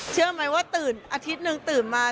เชื่อไหมว่าตื่นอาทิตย์หนึ่งตื่นมา